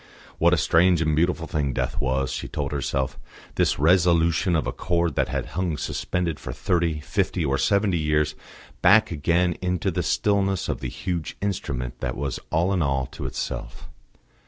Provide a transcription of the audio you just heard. What a strange and beautiful thing death was, she told herself this resolution of a chord that had hung suspended for thirty, fifty or seventy years back again into the stillness of the huge Instrument that was all in all to itself.